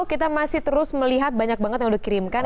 kita masih terus melihat banyak banget yang udah kirimkan